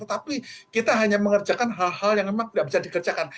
tapi kita hanya mengerjakan hal hal yang memang tidak bisa dikerjakan